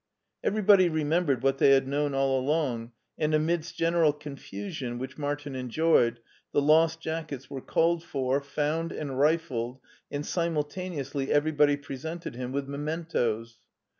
Everybody remembered what they had known all along, and amidst general confusion, which Martin enjoyed, the lost jackets were called for, found and rifled, and simultaneously everybody presented him with mementoes.